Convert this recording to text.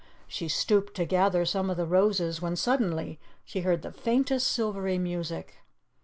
She stooped to gather some of the roses when suddenly she heard the faintest silvery music.